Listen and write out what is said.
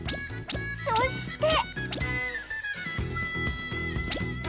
そして